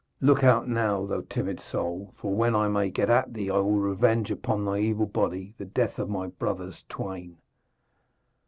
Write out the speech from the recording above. Look out now, thou timid soul, for when I may get at thee I will revenge upon thy evil body the death of my brothers twain.'